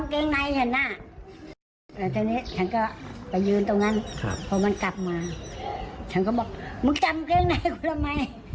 เขาก็บอกมึงจำเกงในกูทำไม